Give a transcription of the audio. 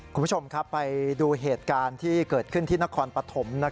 คุณผู้ชมครับไปดูเหตุการณ์ที่เกิดขึ้นที่นครปฐม